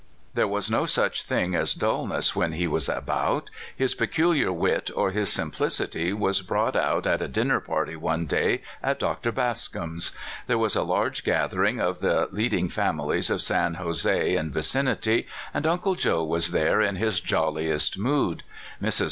There was no such thing as dullness when he was about. His peculiar wit or his simplicity was brought out at a dinner party one day at Dr. Bas com's. There was a large gathering of the lead ing families of San Jose and vicinity, and Uncle Joe was there in his jolliest mood. Mrs.